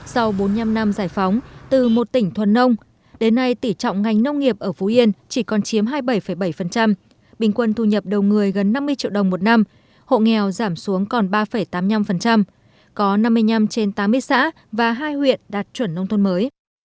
sau bốn mươi năm năm giải phóng từ một tỉnh thuần nông đến nay tỉ trọng ngành nông nghiệp ở phú yên chỉ còn chiếm hai mươi bảy bảy bình quân thu nhập đầu người gần năm mươi triệu đồng một năm hộ nghèo giảm xuống còn ba tám mươi năm có năm mươi năm trên tám mươi xã và hai huyện đạt chuẩn nông thôn mới